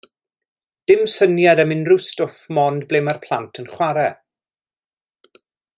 Dim syniad am unrhyw stwff 'mond be mae'r plant yn chwarae.